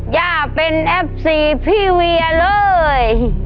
ย่าเป็นเอฟซีพี่เวียเลย